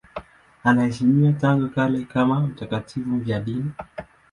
Anaheshimiwa tangu kale kama mtakatifu mfiadini.